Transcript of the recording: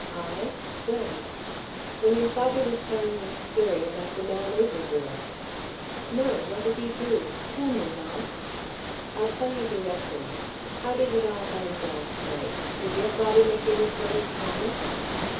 "I? When?" "When your father was telling that story about the man overboard." "No. What did he do? Tell me, Launce." "I'll tell you directly. How did it all end last night? Did your father make any sort of promise?"